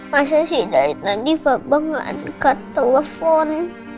masa sih dari tadi papa gak angkat telepon